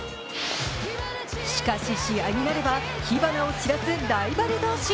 しかし試合になれば、火花を散らすライバルどうし。